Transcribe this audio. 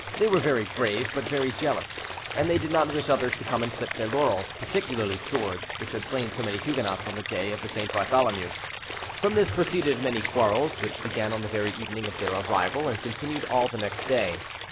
They were very brave, but very jealous: and they did not wish others to come and clip their laurels, particularly swords which had slain so many Huguenots on the day of the St. Bartholomew. From this proceeded many quarrels, which began on the very evening of their arrival, and continued all the next day.